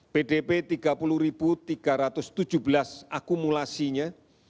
pdp tiga puluh tiga ratus tujuh belas akumulasinya